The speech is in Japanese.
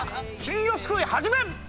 金魚すくい始め！